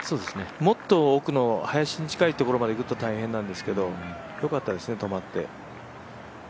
もっと奥の林に近いところに行くと大変なんですけどよかったですね、止まって。